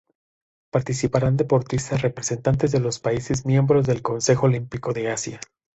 Participarán deportistas representantes de los países miembros del "Consejo Olímpico de Asia".